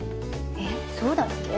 えっそうだっけ？